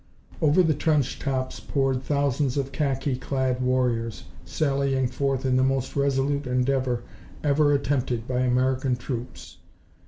Over the trench tops poured thousands of khaki clad warriors, sallying forth in the most resolute endeavor ever attempted by American troops.